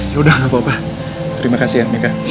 yaudah nggak apa apa terima kasih ya mika